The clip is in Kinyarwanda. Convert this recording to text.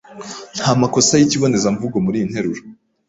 Nta makosa yikibonezamvugo muriyi nteruro.